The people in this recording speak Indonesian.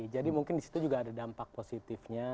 jadi mungkin disitu juga ada dampak positifnya